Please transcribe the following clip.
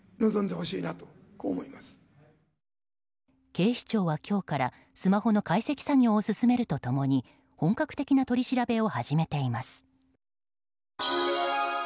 警視庁は今日からスマホの解析作業を進めると共に本格的な取り調べを始めています。